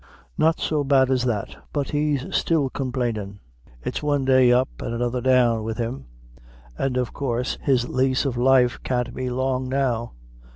"Not so bad as that; but he's still complainin'. It's one day up and another day down wid' him an' of coorse his laise of life can't be long now."